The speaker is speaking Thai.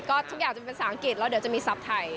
ก็ทุกอย่างจะเป็นภาษาอังกฤษแล้วเดี๋ยวจะมีทรัพย์ไทย